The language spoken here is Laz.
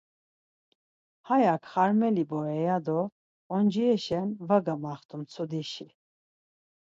Hayak xarmeli bore ya do oncireşen var gamaxtu mtsudişi.